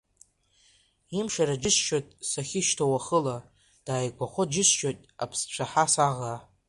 Имшара џьысшьоит сахьышьҭоу уахыла, дааигәахо џьысшьоит аԥсцәаҳа саӷа.